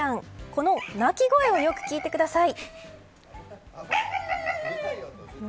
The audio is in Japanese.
この鳴き声をよく聞いてください。